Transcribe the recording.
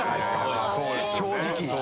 正直。